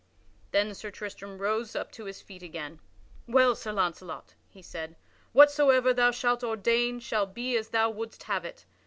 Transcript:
Then Sir Tristram rose up to his feet again. "Well, Sir Launcelot," he said, "whatsoever thou shalt ordain shall be as thou wouldst have it.